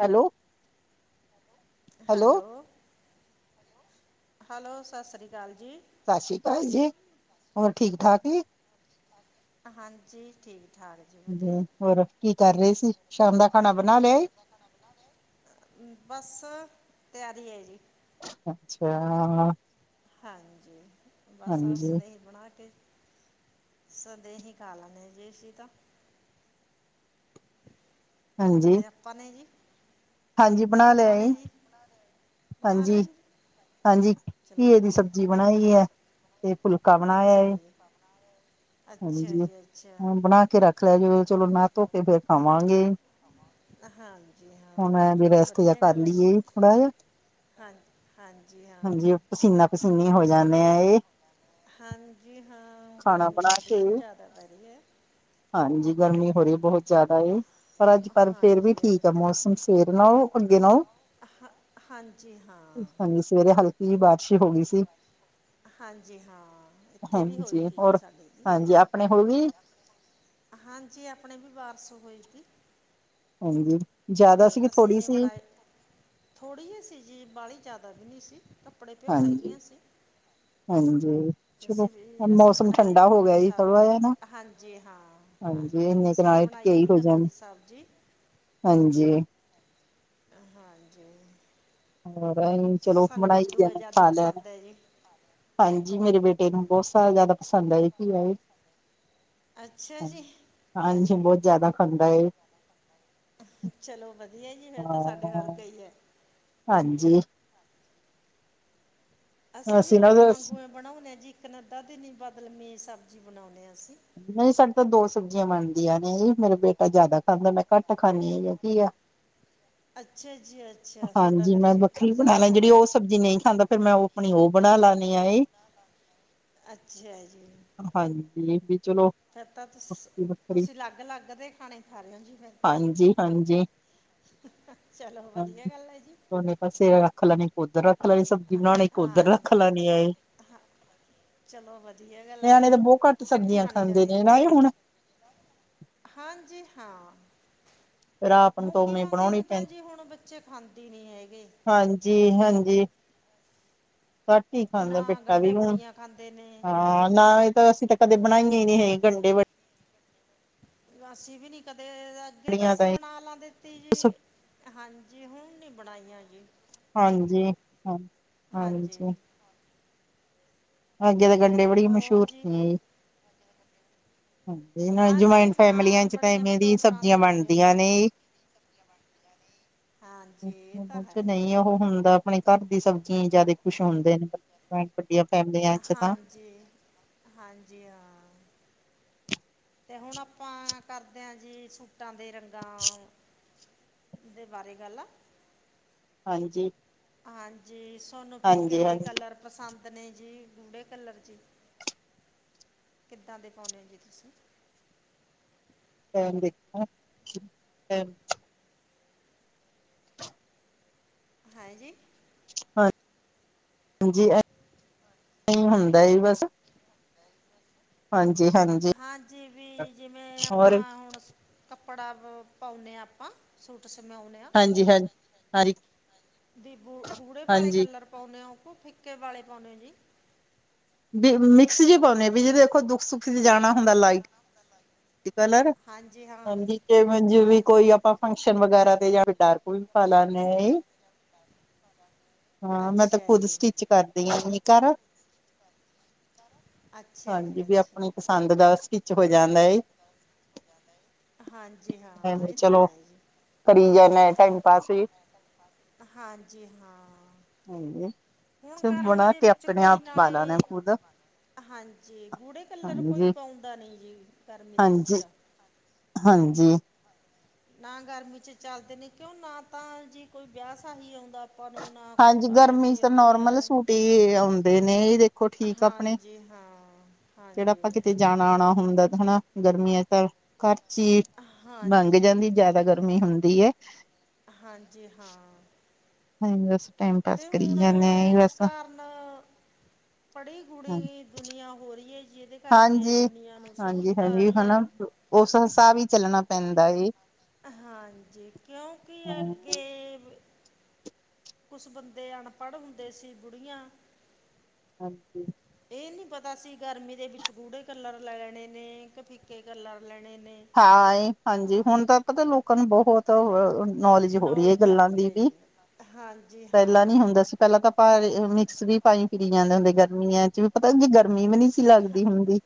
Hello. Hello. Hello ਸਤਿ ਸ਼੍ਰੀ ਅਕਾਲ ਜੀ। ਸਤਿ ਸ਼੍ਰੀ ਅਕਾਲ ਜੀ ਹੋਰ ਠੀਕ ਠਾਕ ਜੀ। ਹਾਂਜੀ ਠੀਕ। ਠਾਕ ਜੀ ਹ ਵਧੀਆ ਹੋਰ ਕੀ ਕਰ ਰਹੇ ਸੀ ਸ਼ਾਮ ਦਾ ਖਾਣਾ ਬਣਾ ਲਿਐ। ਹਮ ਬਸ ਤਿਆਰੀ ਹੈ ਜੀ। ਅੱਛਾ। ਹਾਂਜੀ ਬਸ ਹਾਂਜੀ ਸਦੇਹੀ ਬਣਾ ਕੇ। ਸਦੇਹੀ ਖਾ ਲੈਦੇ ਅਸੀ ਤਾਂ। ਹਾਂਜੀ। ਅਤੇ ਆਪਾਂ ਨੇ ਜੀ ਹਾਂਜੀ ਬਣਾ ਲਿਆ ਆਪਾਂ ਏ ਨੇ ਜੀ ਬਣਾ ਹਾਂਜੀ ਲਿਐ। ਹਾਂਜੀ ਘੀਏ ਦੀ ਸਬਜ਼ੀ ਬ ਬਣਾਈ ਹੈ ਤੇ ਫੁਲਕਾ ਬਣਾਇਆ ਏ। ਅੱਛਾ ਜੀ ਅੱਛਾ ਹਾਂਜੀ ਜੀ ਅੱਛਾ ਹੁਣ ਬਣਾ ਕੇ ਰੱਖ ਲਿਆ ਜੀ ਚਲੋ ਨਹਾ ਧੋ ਕੇ ਫੇਰ ਖਾਵਾਂਗੇ। ਹਾਂਜੀ ਹੁਣ ਹਾਂ ਵੀ ਚਲੋ ਰੈਸਟ ਜਾ ਵਧੀਆ ਕਰ ਗੱਲ ਹੈ ਜੀ। ਲਈਏ ਥੋੜਾ ਜਿਹਾ ਹਾਂ, ਹਾਂਜੀ ਹਾਂ। ਪਸੀਨੀਆਂ ਹੋਇਆਂ ਨੇ। ਹਾਂਜੀ ਹਾਂ, ਖਾਣਾ ਗਰਮੀ ਬਣਾ ਥੋੜੀ ਕੇ ਜੀ ਜਾਦਾ ਪੈ ਰੀ ਐ। ਹਾਂਜੀ ਗਰਮੀ ਹੋ ਰੀ ਏ ਬਹੁਤ ਜਾਦਾ ਈ। ਪਰ ਅੱਜ ਪਰ ਫੇਰ ਵੀ ਹਾਂਜੀ ਠੀਕ ਆ ਮੌਸਮ ਸਵੇਰੇ ਨਾਓ ਅੰਗੇ ਨਾਓ। ਹਾਂ ਹਾਂਜੀ ਹਾਂ ਹਾਂਜੀ ਸਵੇਰੇ ਹਲਕੇ ਈ ਬਾਰਿਸ਼ ਈ ਹੋ ਗਈ ਸੀ। ਹਾਂਜੀ ਹਾਂ ਇੱਥੇ ਵੀ ਹੋਈ ਹਾਂਜੀ ਤੀ ਜੀ -ਹੋਰ, ਸਾਡੇ ਜੀ ਹਾਂਜੀ ਅਪਣੇ ਹੋ ਗੀ। ਹਾਂਜੀ ਅਪਣੇ ਵੀ ਬਾਰਿਸ਼ ਹੋਈ ਤੀ। ਹਾਂਜੀ, ਜਾਦਾ ਸੀਗੀ ਥੋੜੀ ਸੀ? ਥੋੜੀ ਹੀ ਸੀਗੀ ਬਾੜੀ ਜਾਦਾ ਵੀ ਨੀ ਸੀ, ਕੱਪੜੇ ਤੇ ਓ ਹਾਂਜੀ ਹੈਗੀਆਂ ਸੀ। ਹਾਂਜੀ। ਤੇ ਚਲੋ ਅਸੀਂ ਵੀ ਹੁਨ ਅਸੀਂ ਮੌਸਮ ਬਣਾਈ ਹੈ ਠੰਡਾ ਹੋ ਕੱਦੂ ਗਿਆ ਦੀ ਜੀ ਥੋੜਾ ਸਬਜ਼ੀ ਜਿਆ ਨਾ। ਹਾਂਜੀ ਹਾਂ ਹਾਂਜੀ। ਵੀ ਇੰਨੇ ਕ ਅਸੀਂ ਨੇ ਨਾਲ ਟ ਬਣਾਈ ਹੈ ਕਈ ਜੀ ਹੋ ਕੱਦੂ ਜਾਨ, ਦੀ ਸਬਜ਼ੀ ਹਾਂਜੀ। ਹਾਂਜੀ। ਹੋਰ ਐਹੀ ਚਲੋ ਸਾਨੂੰ ਬਣਾਈ ਤੇ ਕੱਦੂ ਐ ਹੈ ਨਾ, ਜ਼ਿਆਦਾ ਖਾ ਲੈਣ ਪਸੰਦ ਹੈ ਜੀ ਹਾਂਜੀ ਮੇਰੇ ਬੇਟੇ ਨੂੰ ਬਹੁਤ ਸਾਰਾ ਜਾਦਾ ਪਸੰਦ ਐ ਜੀ ਘੀਆ ਜੀ। ਅੱਛਾ ਜੀ। ਹਾਂਜੀ, ਬੋਤ ਜਾਦਾ ਖਾਂਦਾ ਏ। ਚਲੋ ਵਧੀਆ ਏ ਜੀ, ਫੇਰ ਤਾਂ ਸਾਡੇ ਹਾਂ ਵਰਗਾ ਈ ਐ। ਹਾਂਜੀ। ਅਸੀਂ ਵੀ ਰੋਜ਼ ਵਂਗੂ ਅ ਬਣਾਉਂਨੇ ਜੀ, ਇੱਕ ਨਾ ਅੱਧਾ ਦਿਨ ਈ ਬਦਲਮੀ ਸਬਜ਼ੀ ਬਣਾਉਂਨੇ ਆ ਅਸੀਂ। ਨਈ ਸਾਡੇ ਤਾਂ ਦੋ ਸਬਜ਼ੀਆਂ ਬਣਦੀਆਂ ਨੇ, ਏਈ ਮੇਰਾ ਬੇਟਾ ਜਾਦਾ ਖਾਂਦਾ ਮੈਂ ਘਟ ਖਾਂਨੀ ਆ ਘੀਆ। ਅੱਛਾ ਜੀ ਅੱਛਾ [inaudible] ਤੁਹਾਡਾ ਹਾਂਜੀ ਫਿਰ ਮੈਂ ਜੀ ਵੱਖਰੀ ਉਤਰ ਬਣਾ ਜਾਂਦਾ ਲੈ, ਜੇੜੀ ਹੋਣਾ ਓ ਜੀ ਸਬਜ਼ੀ ਨਈ ਖਾਂਦਾ ਫੇਰ ਮੈਂ ਓ ਅਪਣੀ ਓ ਬਣਾ ਲਾਨੀ ਆ ਏ ਅੱਛਾ ਹਾਂਜੀ, ਵੀ ਚਲੋ ਫੇਰ ਤਾਂ ਤੁਸ- ਵੱਖਰੀ ਵੱਖਰੀ ਤੁਸੀਂ, ਲੱਗ -ਲੱਗ ਦੇ ਖਾਣੇ ਖਾ ਰੇ ਓ ਜੀ ਫੇਰ ਤਾਂ। ਹਾਂਜੀ ਹਾਂਜੀ। ਚਲੋ ਵਧੀਆ ਗੱਲ ਐ ਜੀ। ਹੁੰਨੇ ਪਰਸੇਗਾ ਰੱਖ ਲੈਨੀ ਏਕ ਓਦਰ ਰੱਖ ਲੈਣੀ ਸਭ। ਹਾਂ -ਹਾਂਜੀ। ਅਹਾਂ ਚਲੋ ਵਧੀਆ ਗੱਲ ਐ ਨਿਆਣੇ ਜੀ, ਤਾਂ ਬਹੁਤ ਘੱਟ ਕੱਠੀ ਸਬਜ਼ੀਆਂ ਬਣ ਜ ਖਾਂਦੇ ਜਾਂਦੀ ਏ। ਨੇ ਨਾ ਇਹ ਹੁਣ ਹਾਂਜੀ, ਹਾਂ। ਫਿਰ ਆਪ ਨੂੰ ਤਾਂ ਮੂੰਗੀ- ਉਵੇਂ ਮਾਂਗੀ ਬਣਾਉਣੀ ਨੂੰ ਤਾਂ ਪੈਂਦੀ ਜੀ ਹੁਣ ਬੱਚੇ ਖਾਂਦੇ ਨੀ ਹੈਗੇ। ਹਾਂਜੀ-ਹਾਂਜੀ। ਘੱਟ ਈ ਖਾਂਦੈ ਨਾ ਬੇਟਾ ਗੰਢੇ ਵੀ ਹੁਣ। ਬੜੀਆਂ ਖਾਂਦੇ ਨੇ ਹਾਂ, ਨਾ ਏ ਤਾਂ ਅਸੀਂ ਕਦੇ ਬਣਾਈਏ ਈ ਨੀ ਹੈ ਗੰਡੇ ਵ ਨਾ ਅਸੀਂ ਵੀ ਨੀ ਕਦੇ, ਅੱਗੇ ਤਾਂ ਅਸੀਂ ਬਣਾ ਲਾ ਦਿੱਤੀ ਜੀ ਹਾਂਜੀ, ਹੁਨ ਨੀ ਬਣਾਈਆਂ ਜੀ। ਹਾਂਜੀ, ਹਾਂ। ਹਾਂਜੀ। ਅੱਗੇ ਦੇ ਗੰਡੇ ਬੜੀ ਹੋਰ ਮਸ਼ੂਰ ਜੀ ਸੀ। ਹਾਂਜੀ, ਨਾਲੇ ਹਾਂਜੀ ਜੁਆਇੰਟ ਫੈਮਲੀਆਂ ਹਾਂ ਚ ਤਾਂ ਬੜੀਆਂ ਵੀ ਇਵੇਂ ਦੋ ਦੀ ਤਰ੍ਹਾਂ ਸਬਜ਼ੀਆਂ ਦੀਆਂ ਹੁੰਦੀਆਂ ਜੀ ਬਣਦੀਆਂ ਨੇ। ਅਛ ਹਾਂਜੀ ਇਹ ਤਾਂ ਹੈ -ਅੱਛਾ ਜੀ ਨਈ ਓ ਹੁੰਦਾ ਅਪਣੇ ਘਰ ਦੀ ਸਬਜ਼ੀਆਂ ਈ ਜਾਦਾ ਈ ਖੁਸ਼ ਹੋਂਦੇ ਨੇ, [unintelligible] ਚ ਤਾਂ ਹਾਂਜੀ-ਹਾਂਜੀ, ਹਾਂ। ਤੇ ਹੁਣ ਆਪਾਂ ਕਰਦੇ ਹਾਂ ਜੀ ਸੂਟਾਂ ਦੇ ਬਾਰੇ ਗੱਲ ਆ ਹਾਂਜੀ। ਹਾਂਜੀ। ਸੋਨੂੰ ਹਾਂਜੀ ਫਿੱਕੇ ਹਾਂਜੀ ਕਲਰ ਪਸੰਦ ਨੇ ਜਾਂ ਗੂੜੇ ਕਲਰ। ਕਿੱਦਾਂ ਦੇ ਪਾਉਂਨੇ ਹੋ ਜੀ ਤੁਸੀਂ? ਟਾਈਮ ਦਿਖੋ। ਹਾਂਜੀ। ਹਾਂ। ਹਾਂਜੀ। ਨਹੀਂ ਹੁੰਦਾ। ਬਸ। ਹਾਂਜੀ। ਹਾਂਜ ਹਾਂਜੀ। ਵੀ ਜਿਵੇਂ ਆਪਾਂ ਹੁਣ ਕੱਪੜਾ ਪਾਉਂਦੇ ਹਾਂ ਆਪਾਂ। ਸੂਟ ਸਿਵਾਉਂਦ ਹਾਂਜੀ ਹਾਂਜੀ ਹਾਂਜੀ ਗੂੜੇ ਵਾਲੇ ਹਾਂਜੀ ਕਲਰ ਪਾਉਂਨੇ ਹੋ। ਕੋ ਫਿੱਕੇ ਵਾਲੇ ਪਾਉਂਦੇ ਹੋ ਜੀ। ਮਿਕਸ ਜਿਹੇ ਪਾਉਂਨੇ ਆ। ਵੀ ਦੇਖੋ ਦੁੱਖ -ਸੁੱਖ ਚ ਜਾਣਾ ਹੁੰਦਾ ਲਾਈਟ ਕੱਲਰ ਹਾਂਜੀ ਹਾਂ ਹਾਂਜੀ ਵੀ ਹਾਂਜੀ ਕੋਈ ਆਪਾਂ ਫੰਕਸ਼ਨ ਵਗੈਰਾ ਤੇ। ਜਾਂ ਡਾਰਕ ਵੀ ਪਾ ਲੈਂਦੇ ਆ ਹਾਂ। ਮੈਂ ਤਾਂ ਅੱਛਾ ਖੁੱਦ ਜੀ ਸਟਿਚ ਕਰਦੀ ਆ ਘਰ ਅੱਛਾ ਜੀ ਹਾਂਜੀ, ਅੱਛਾ ਆਪਣੀ ਪਸੰਦ ਦਾ ਸਟਿਚ ਹੋ ਜਾਂਦਾ ਐ। ਹਾਂਜੀ, ਹਾਂ ਇਹ ਤਾਂ ਹੈ ਜੀ। ਕਰੀ ਜਾਨੇ ਆ ਟਾਈਮ ਪਾਸ ਸੀ। ਹਾਂਜੀ। ਹਾਂ ਹਾਂਜੀ ਹੁਣ ਗਰਮੀ ਦੇ ਵਿੱਚ ਕੋਈ ਨਾ ਪਾਲਾ ਨੇ ਖੁਦ ਹਾਂਜੀ, ਗੂੜੇ ਕਲਰ ਕੋਈ ਹਾਂਜੀ ਪਾਉਂਦਾ ਨਹੀਂ ਜੀ, ਗਰਮੀ ਦੇ ਵਿੱਚ। ਹਾਂਜੀ ਹਾਂਜੀ। ਨਾ ਗਰਮੀ ਚ ਚੱਲਦੇ ਨੇ, ਕਿਉਂ ਨਾ ਤਾਂ ਜੀ ਕੋਈ ਵਿਆਹ ਸ਼ਾਹੀ ਆਉਂਦਾ। ਆਪਾਂ ਨੂੰ ਨਾ ਕੋਈ ਹਾਂਜੀ ਗਰਮੀ ਚ ਪਾਰਟੀ ਤਾਂ ਆਉਂਦੀ ਨੋਰਮਲ ਹੈ। ਸੂਟ ਹੀ ਆਉਂਦੇ ਨੇ ਇਹ ਦੇਖੋ ਠੀਕ ਆਪਣੇ ਹਾਂਜੀ ਹਾਂ ਜਿਹੜਾ ਹਾਂਜੀ। ਆਪਾਂ ਕਿਤੇ ਜਾਣਾ ਅੰਨਾ ਹੁੰਦਾ ਠਾਨਾ ਹਨਾ ਗਰਮੀਆਂ ਤਾਂ ਘਰਚੀ ਮੰਗ ਹਾਂਜੀ ਜਾਂਦੀ ਜਿਆਦਾ ਗਰਮੀ ਹੁੰਦੀ ਹੈ। ਹਾਂਜੀ ਹਾਂ। ਹਾਂਜੀ ਉਸ ਟਾਈਮ। ਪਾਸ ਤੇ ਕਰੀ ਹੁਣ ਜਾਂਦੇ ਆ ਇੱਕ ਬਸ ਕਾਰਨ ਪੜ੍ਹੀ ਹਾਂ ਕੁੜੀ ਦੁਨੀਆਂ ਹੋ ਰਹੀ ਹੈ ਜਿਹਦੇ ਕਰਕੇ ਹਾਂਜੀ ਦੁਨੀਆਂ ਨੂੰ ਸਹੂਲਤ ਆ ਰਹੀ ਹੈ। ਉਹ ਸੰਸਾ ਵੀ ਹਾਂਜੀ, ਕਿਉਂਕਿ ਹਾਂ ਅੱਗੇ ਕੁਛ ਬੰਦੇ ਅਨਪੜ੍ਹ ਹੁੰਦੇ ਸੀ ਬੁੜੀਆਂ [inaudible] ਇਹ ਨਹੀਂ ਪਤਾ ਸੀ ਗਰਮੀ ਦੇ ਵਿੱਚ ਗੂੜੇ ਕਲਰ ਲੈਣੇ ਨੇ ਕੇ ਕਫੀਕੇ ਕਲਰ ਲੈਣੇ ਨੇ ਹਾਂ, ਹਾਂਜੀ ਹੁਣ ਤਾਂ ਲੋਕਾਂ ਨੂੰ ਬਹੁਤ ਨੌਲੇਜ ਹੋ ਰਹੀ ਹੈ ਆ ਗੱਲਾਂ ਰਹੀ ਦੀ ਹੈ ਵੀ ਜੀ ਹਾਂਜੀ ਪਹਿਲਾਂ ਨੀ ਹਾਂ ਹੁੰਦਾ ਸੀ। ਪਹਿਲਾਂ ਤਾਂ ਆਪਾਂ ਮਿਕਸ ਵੀ ਪਾਈ ਫਿਰੀ ਜਾਂਦੇ ਹੁੰਦੇ ਗਰਮੀਆਂ ਚ ਤਾਂ ਗਰਮੀ ਵੀ ਨਹੀਂ ਸੀ ਲੱਗਦੀ ਹੁੰਦੀ।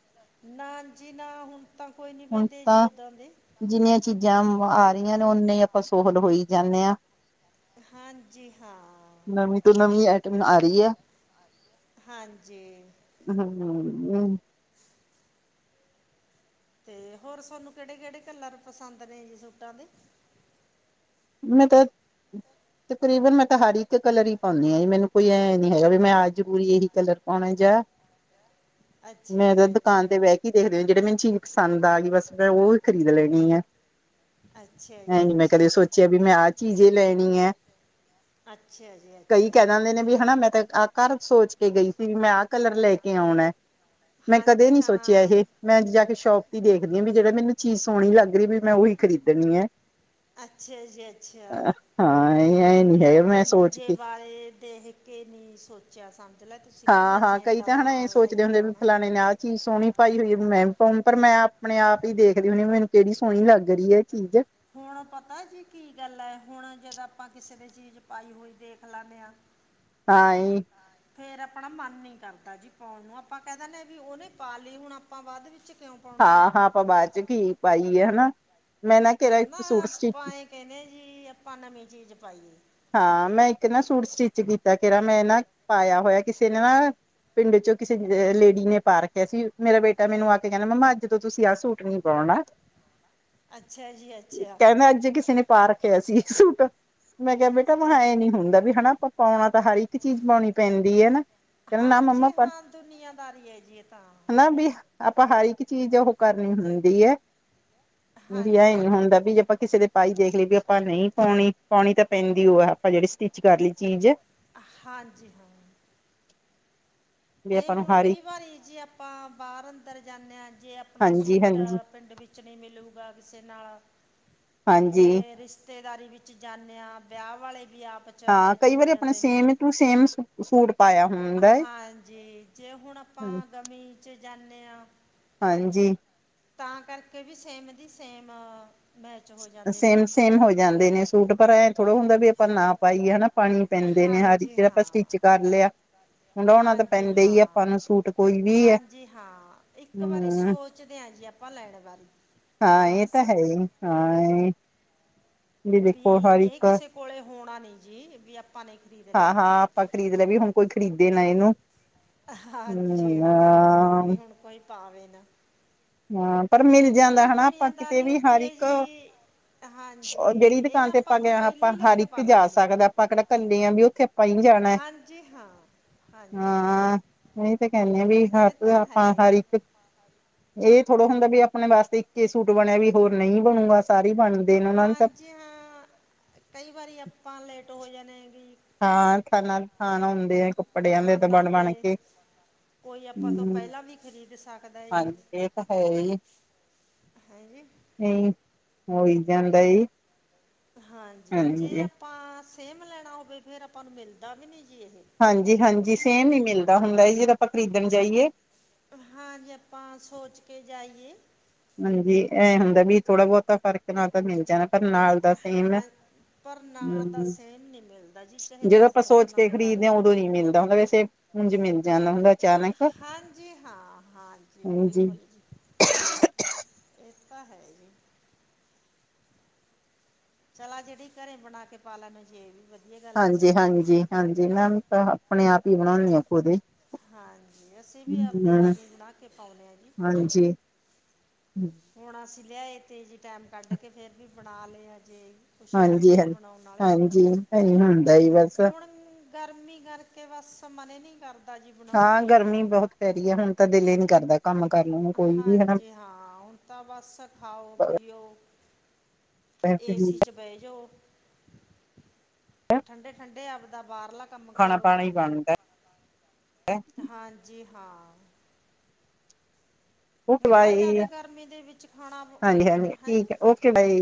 ਨਾ ਜੀ ਨਾ ਹੁਣ ਤਾਂ ਕੋਈ ਨੀ ਹੁਣ ਪਹਿੰਦੇ ਤਾਂ ਜੀ ਓਦਾਂ ਦੇ। ਜਿੰਨੀਆਂ ਚੀਜ਼ਾਂ ਆ ਰਹੀਆਂ ਨੇ ਉਓਨੇ ਹੀ ਆਪਾਂ ਸੋਹਲ ਹੋਈ ਜਾਣੇ ਹਾਂ। ਹਾਂਜੀ, ਹਾਂ। ਨਵੀਂ ਤੋਂ ਨਵੀਂ ਆਈਟਮ ਆ ਰੀ ਐ। ਹਾਂਜੀ। ਹਂ, ਹਂ। ਤੇ ਹੋਰ ਸਹਾਨੂੰ ਕਿਹੜੇ-ਕਿਹੜੇ ਕਲਰ ਪਸੰਦ ਨੇ ਜੀ ਸੂਟਾਂ ਦੇ। ਮੈਂ ਤੇ ਤਕਰੀਬਨ ਮੈਂ ਤਾਂ ਹਰ ਇੱਕ ਕਲਰ ਈ ਪਾਉਂਣੀ ਆਂ ਜੀ, ਮੈਨੂੰ ਕੋਈ ਐ ਨੀ ਹੈਗਾ ਵੀ ਮੈਂ ਆ ਜਰੂਰੀ ਏਹੀ ਕਲਰ ਪਾਉਣੇ ਜਾ ਅੱਛਾ ਮੈਂ ਤੇ ਜੀ ਦੁਕਾਨ ਅੱਛਾ ਤੇ ਬੈ ਕੇ ਦੇਖਦੇ ਈ ਜੇੜੀ ਮੈਨੂੰ ਚੀਜ਼ ਪਸੰਦ ਆ ਗਈ ਬਸ ਮੈਂ ਓਹੀ ਖਰੀਦ ਲੈਂਣੀ ਆਂ। ਅੱਛਾ ਜੀ, ਅੱਛਾ। ਝਾਵੀ ਮੈਂ ਆਹ ਚੀਜ਼ ਲੈਣੀ ਐ। ਅੱਛਾ ਜੀ ਕਈ ਅੱਛਾ ਕੈਅ ਦਿੰਦੇ ਨੇ ਵੀ ਹਨਾਂ, ਮੈਂ ਤਾਂ ਆ ਘਰ ਸੋਚ ਕੇ ਗਈ ਸੀ ਵੀ ਮੈਂ ਆਹ ਕਲਰ ਲੈ ਕੇ ਆਉਣਾ, ਮੈਂ ਕਦੇ ਹਾਂਜੀ ਨੀਂ ਸੋਚਿਆ ਹਾਂ ਏਹੇ। ਮੈਂ ਜਾ ਕੇ ਸ਼ੋਪ ਦੇਖਦੀ ਆਂ ਵੀ ਜਦੋਂ ਮੈਨੂੰ ਚੀਜ਼ ਸੋਹਣੀ ਲੱਗ ਰੀ ਵੀ ਮੈਂ ਓਹੀ ਖਰੀਦਣੀ ਐ। ਅੱਛਾ ਜੀ, ਅੱਛਾ। ਹਾਂ ਇਹ ਐ ਨੀ ਵੀ ਹੈਗਾ ਮੈਂ ਸੋਚ ਇੱਕ-ਦੂਜੇ ਕੇ ਬਾਰੇ ਦੇਹ ਕਿ ਨ੍ਹੀਂ ਸੋਚਿਆ ਸਮਝ ਲੈ ਤੁਸੀਂ ਨੇ ਵੀ ਹਾਂ ਹਾਂ ਅਸੀਂ ਕਈ ਇੱਦਾਂ ਤਾਂ ਦਾ ਹਨਾ ਇਹ ਬਾ ਲੈ ਸੋਚਦੇ ਕੇ ਹੁੰਦੇ ਵੀ ਆਉਣਾ। ਫਲਾਣੇ ਨੇ ਆਹ ਚੀਜ਼ ਸੋਹਣੀ ਪਾਈ ਹੋਈ ਮੈਂ ਪੋਂ ਪਰ ਮੈਂ ਆਪਣੇ-ਆਪ ਈ ਦੇਖਦੀ ਹੁੰਣੀ ਆ ਮੈਨੂ ਕਿਹੜੀ ਸੋਹਣੀ ਲੱਗ ਰਈ ਐ ਚੀਜ਼ ਹੁਣ ਪਤਾ ਜੀ ਕੀ ਗੱਲ ਐ, ਹੁਣ ਜਦੋਂ ਆਪਾਂ ਕਿਸੇ ਦੀ ਚੀਜ਼ ਪਾਈ ਹੋਈ ਦੇਖ ਲੈਂਣੇ ਆਂ ਤਾਂ ਈ। ਫੇਰ ਆਪਣਾ ਮਨ ਨੀ ਕਰਦਾ ਜੀ ਪੋਣ ਨੂੰ, ਆਪਾਂ ਕੈਅ ਦੇਣੇ ਵੀ ਉਹਨੇ ਪਾ ਲੀ ਹੁਣ ਆਪਾਂ ਵਾਧ ਵਿੱਚ ਕਿਉਂ ਪਾਉਣੀ ਹੈ ਹਾਂ, ਹਾਂ ਆਪਾਂ ਬਾਅਦ ਚ ਘੀ ਪਾਈ ਏ ਹਨਾਂ, ਮੈਂ ਨਾਂ ਤੇਰਾ ਇੱਕ ਸੂਟ ਸਟੀ ਕੇਂਦੇ ਜੀ ਆਪਾਂ ਨਵੀਂ ਚੀਜ਼ ਪਾਈ ਏ। ਹਾਂ, ਮੈਂ ਇੱਕ ਨਾ ਸੂਟ ਸਟਿੱਚ ਕੀਤਾ ਤੇਰਾ ਮੈਂ ਨਾਂ ਪਾਇਆ ਹੋਇਆ ਕਿਸੇ ਨਾ ਪਿੰਡ ਚੋਂ ਕਿਸੇ ਲੇਡੀ ਨੇ ਪਾ ਰੱਖਿਆ ਸੀ, ਮੇਰਾ ਬੇਟਾ ਮੈਨੂੰ ਆ ਕੇ ਕੇਂਦਾ ਮੰਮਾ ਅੱਜ ਤੋਂ ਤੁਸੀਂ ਆਹ ਸੂਟ ਨਈਂ ਪਾਉਣਾ। ਅੱਛਾ ਜੀ ਅੱਛਾ ਕੈਂਦਾ ਅੱਜ ਕਿਸੇ ਨੇ ਪਾ ਰੱਖਿਆ ਸੀ ਸੂਟ। ਮੈਂ ਕਿਆ ਬੇਟਾ ਮੈਂ ਇਹ ਨੀਂ ਹੁੰਦਾ ਵੀ ਹਨਾਂ, ਆਪਾਂ ਪਾਉਣਾ ਤਾਂ ਹਰ ਇੱਕ ਚੀਜ਼ ਪਾਣੀ ਪੈਂਦੀ ਐ ਨਾ। ਨਾ ਹਾਂਜੀ ਮੰਮਾ ਹਾਂ, ਦੁਨੀਆਂਦਾਰੀ ਤ ਐ ਜੀ ਏ ਤਾਂ। ਨਾ ਵੀ ਆਪਾਂ ਹਰ ਇੱਕ ਚੀਜ਼ ਉਹ ਕਰਨੀ ਹੁੰਦੀ ਐ, ਵੀ ਹਾਂਜੀ ਏਂ ਨੀਂ ਹੁੰਦਾ ਹਾਂਜੀ ਜੇ ਆਪਾਂ ਕਿਸੇ ਦੇ ਭਾਈ ਦੇਖ ਲਈ ਵੀ ਆਪਾਂ ਨਈਂ ਪਾਉਣੀ। ਪਾਉਣੀ ਤਾਂ ਪੈਂਦੀ ਉਹ ਐ ਆਪਾਂ ਜੇੜੀ ਸਟਿਚ ਕਰ ਲੀ ਚੀਜ਼। ਹਾਂਜੀ ਹਾਂ। ਵੀ ਤੇ ਆਪਾਂ ਨੂੰ ਹੁਣ ਹਰ ਇੱਕ ਕਈ ਵਾਰੀ ਜੇ ਆਪਾਂ ਬਾਰ-ਅੰਦਰ ਜਾਂਦੇੇ ਆਂ, ਜੇ ਆਪਣਾ ਹਾਂਜੀ ਸੂਟ ਹਾਂਜੀ ਪਿੰਡ ਵਿੱਚ ਕੁਛ ਨਈਂ ਮਿਲੂਗਾ ਕਿਸੇ ਨਾਲ ਤੇ ਹਾਂਜੀ ਰਿਸ਼ ਰਿਸ਼ਤੇਦਾਰੀ ਵਿੱਚ ਜਾਂਣੇ ਆਂ, ਵਿਆਹ ਵਾਲੇ ਵੀ ਆਪ 'ਚ ਹਾਂ, ਮੈਚ ਕਈ ਹੋ ਵਾਰੀ ਆਪਨੇ ਜਾਂਦੇ ਨੇ ਸੇਮ ਟੂ ਸੇਮ ਸੂ ਸੂਟ ਪਾਯਾ ਹਾਂਜੀ, ਜੇ ਹੁਣ ਹੈ। ਆਪਾਂ ਗਰਮੀ ਚ ਜਾਂਣੇ ਆਂ ਹਾਂਜੀ। ਤਾਂ ਕਰਕੇ ਵੀ ਸੇਮ ਦੀ ਸੇਮ ਮੈਚ ਹੋ ਜਾਂਦੇ ਨੇ ਸੇਮ-ਸੇਮ ਹੋ ਜਾਂਦੇ ਨੇ ਸੂਟ, ਪਰ ਐ ਥੋੜ੍ਹੋ ਹੁੰਦਾ ਵੀ ਆਪਾਂ ਨਾ ਪਾਈਏ ਹਨਾਂ। ਪਾਨੇ ਪੈਂਦੇ ਨੇ, ਹਾ ਜੀ ਹਾਂਜੀ ਜੇੜਾ ਹਾਂ ਆਪਾਂ ਸਟਿੱਚ ਕਰ ਲਏਯਾ। ਹਾਂਜੀ ਹਾਂ, ਸੂਟ ਕੋਈ ਵੀ ਹੈ। ਹਾਂਜੀ ਹਾਂ, ਇੱਕ ਵਾਰੀ ਹਮ ਸੋਚਦੇ ਆਂ ਜੀ ਆਪ ਪਾਂ ਲੈਣ ਵਾਰੀ। ਹਾਂ ਏ ਤਾਂ ਹੈ ਈ, ਹਾਂ ਏ, ਵੀ ਦੇਖੋ ਹਰ ਇਹ ਇੱਕ ਕਿਸੇ ਕੋਲੇ ਹੋਣਾ ਨੀ ਜੀ, ਵੀ ਅਪ ਪਾਵੇਂ ਇੱਕ ਵੀ ਹਾਂ- ਹਾਂ ਆਪਾਂ ਖਰੀਦ ਲਏ ਵੀ, ਹੁਣ ਕੋਈ ਖਰੀਦੇ ਨਾ ਇਹਨੂੰ ਹਾਂਜੀ, ਹਾਂ ਵੀ ਹੁਣ ਕੋਈ ਪਾਵੇ ਨਾ। ਹਾਂ, ਪਰ ਮਿਲ ਜਾਂਦਾ ਇਹ ਹਨਾ, ਆਪਾਂ ਕਿਤੇ ਦੁਨੀਆਦਾਰੀ ਵੀ ਹੁੰਦੀ ਹਰ ਹੈ ਇੱਕ ਜੀ ਹਾਂਜੀ ਜਿਹੜੀ ਇਹ ਦੁਕਾਨ ਤੇ ਆਪਾਂ ਗਏ, ਤੋਂ ਆਪਾਂ ਪਹਿਲੀ ਲੈ ਹਰ ਕੇ ਇੱਕ ਪਾ ਜਾ ਲੈਂਦੇ ਨੇ ਜੀ ਸਕਦਾ ਆਪਾਂ ਕਿਹੜਾ ਇਕੱਲੇ ਹਾਂ ਵੀ ਉੱਥੇ ਆਪਾਂ ਹੀ ਜਾਣਾ। ਹਾਂਜੀ, ਹਾਂ ਹਾਂਜੀ, ਹਾਂ ਨਹੀਂ ਤੇ ਕਹਿੰਦੇ ਆ ਵੀ ਇਹ ਹਰ ਤਾਂ ਹੈ ਆਪਾਂ ਹਰ ਹੀ। ਇੱਕ ਇਹ ਥੋੜਾ ਹੁੰਦਾ ਵੀ ਆਪਣੇ ਵਾਸਤੇ ਇੱਕੇ ਸੂਟ ਬਣਿਆ ਵੀ ਹੋਰ ਨਈ ਬਣੂਗਾ ਸਾਰੀ ਬਣ ਹਾਂਜੀ ਹਾਂ, ਕਈ ਵਾਰੀ ਆਪਾਂ ਲੇਟ ਹੋ ਜਾਣੇ ਹੈ ਜੀ ਹਾਂ ਥਾਨਾ ਦੇ ਥਾਨ ਹੁੰਦੇ ਆ ਕੱਪੜਿਆਂ ਦੇ ਤਾਂ ਦੁਕਾਨਾਂ ਬਣ- ਬਣ 'ਤੇ ਕੇ ਕੋਈ ਆਪਾਂ ਤੋਂ ਹੂੰ। ਪਹਿਲਾਂ ਵੀ ਖ਼ਰੀਦ ਸਕਦਾ ਏ ਜੀ। ਹਾਂਜੀ ਇਹ ਤਾਂ ਹੈ ਹੇਂਜੀ? ਨਈ, ਹੋਈ ਜਾਂਦਾ ਏ ਹਾਂਜੀ, ਜੇ ਆਪਾਂ ਸੇਮ ਲੈਣਾ ਹੋਵੇ, ਫੇਰ ਆਪਾਂ ਨੂੰ ਮਿਲਦਾ ਵੀ ਨਈ ਜੀ ਏਹੇ। ਹਾਂਜੀ- ਹਾਂਜੀ ਸੇਮ ਨੀ ਮਿਲਦਾ ਹੁੰਦਾ, ਜਦ ਆਪਾਂ ਖਰੀਦਣ ਜਾਈਏ। ਹਾਂਜੀ, ਆਪਾਂ ਸੋਚ ਕੇ ਜਾਈਏ। ਹਾਂਜੀ, ਐ ਹੁੰਦਾ ਵੀ ਥੋੜਾ ਬਹੁਤਾ ਫਰਕ ਨਾਲ ਤਾਂ ਮਿਲ ਜਾਣਾ ਪਰ ਨਾਲ ਦਾ ਸੇਮ ਹਾਂ ਪਰ ਨਾਲ ਦਾ ਹਮ, ਸੇਮ ਨਹੀਂ ਮਿਲਦਾ ਜੀ ਚਾਹੇ ਜਦੋਂ ਦਸ ਆਪਾਂ ਸੋਚ ਦੁਕਾਨਾਂ ਕੇ 'ਤੇ ਵਗ ਖ਼ਰੀਦੇ ਹਾਂ, ਜਾਓ ਉਦੋਂ ਨੀ ਮਿਲਦਾ ਹੁੰਦਾ ਵੈਸੇ ਉੰਝ ਮਿਲ ਜਾਂਦਾ ਹੁੰਦਾ। ਅਚਾਨਕ ਹਾਂਜੀ ਹਾਂ, ਹਾਂਜੀ ਬਿਲਕੁਲ ਜੀ। ਇਹ ਤਾਂ ਹੈ ਜੀ। ਚਲਾ ਜਿਹੜੀ ਘਰੇ ਬਣਾ ਕੇ ਪਾ ਲੈਣ ਜੇ ਵੀ ਵਧੀ ਹਾਂਜੀ, ਹਾਂਜੀ, ਹਾਂਜੀ, [inaudible] ਤਾਂ ਆਪਣੇ ਆਪ ਹੀ ਬਣਾਉਂਦੀ ਹਾ ਖੁਦੇ ਹੀ ਹਾਂਜੀ, ਅਸੀਂ ਵੀ ਆਪਦੇ ਆਪ ਹੀ ਬਣਾ ਕੇ ਪਾਦੇ ਹਾਂ ਜੀ। ਹਨਜੀ ਹੁਣ ਅਸੀਂ ਲਿਆਏ ਤੇਜ਼ੀ ਟਾਈਮ, ਕੱਢ ਕੇ ਫਿਰ ਵੀ ਬਣਾ ਲਿਆ ਜੇ ਕੁੱਛ ਹਾਂਜੀ ਰਹਿੰਦੇ ਆ ਹਾਂਜੀ ਬਣਾਉਣ ਵਾਲੇ, ਹਾਂਜੀ ਇਹੀ ਹੁੰਦਾ ਹੀ ਬਸ ਹੁਣ ਗਰਮੀ ਕਰਕੇ ਬਸ ਮਨ ਨਈ ਕਰਦਾ ਜੀ ਬਣਾਉਣ ਹਾਂ, ਨੂੰ ਗਰਮੀ ਬਹੁਤ ਪੈ ਰਹੀ ਹੈ। ਹੁਣ ਤਾਂ ਦਿਲ ਹੀ ਨੀ ਕਰਦਾ ਕੰਮ ਕਰਨ ਨੂੰ ਕੋਈ ਵੀ ਹਨਾ? ਹਾਂਜੀ ਹਾਂ, ਹੁਣ ਤਾਂ ਬਸ ਖਾਓ- ਪੀਓ ਏਸੀ ਚ ਬਹਿ ਜਾਓ ਠੰਡੇ- ਠੰਡੇ ਆਪਦਾ ਬਾਹਰਲਾ ਕੰਮ ਖਾਣਾ ਕਰੋ ਪਾਣਾ ਹੀ ਬਣਦਾ ਹਾਂਜੀ ਹਾਂ। ਓਕੇ ਹੁਣ ਤਾਂ ਬਾਏ, ਜ਼ਿਆਦਾ ਗਰਮੀ ਦੇ ਵਿੱਚ ਖਾਣਾ ਹਾਂਜੀ- ਹਾਂਜੀ ਠੀਕ ਹੈ, ਓਕੇ ਬਾਏ